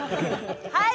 はい！